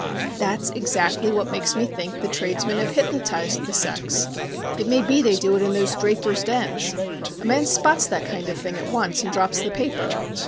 "That's exactly what makes me think the tradesmen have hypnotised the sex. It may be they do it in those drapers' dens. A man spots that kind of thing at once and drops the paper.